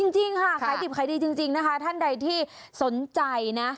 จริงค่ะขายดิบขายดีจริงนะคะท่านใดที่สนใจนะ